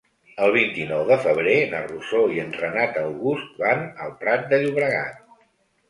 El vint-i-nou de febrer na Rosó i en Renat August van al Prat de Llobregat.